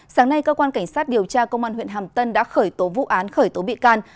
sáng nay cơ quan cảnh sát điều tra công an huyện hàm tân đã khởi tố vụ án khởi tố bị can